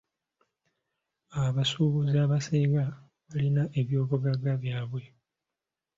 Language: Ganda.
Abasuubuzi abasinga balina ebyobugagga byabwe.